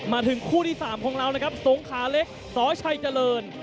มาถึงคู่ที่๓ของเรานะครับสงขาเล็กสชัยเจริญ